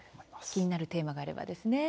気になるテーマがあればですね